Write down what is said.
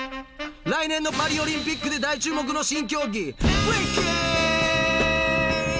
来年のパリオリンピックで大注目の新競技ブレイキン！